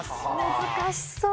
難しそう。